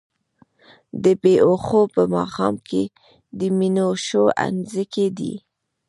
د بــــــې هــــــوښو په ماښام کي د مینوشو انځکی دی